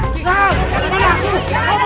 jangan aku mengacu